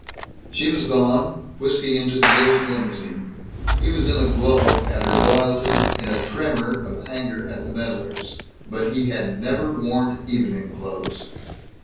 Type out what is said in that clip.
She was gone, whisking into the Gilson limousine. He was in a glow at her loyalty, in a tremor of anger at the meddlers. But he had never worn evening clothes.